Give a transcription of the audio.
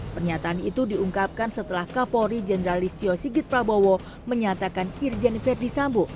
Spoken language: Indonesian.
pernyataan itu diungkapkan setelah kapolri jendralistio sigit prabowo menyatakan irjen ferdisambu